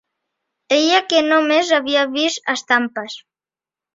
Ella que no més havia vist estampes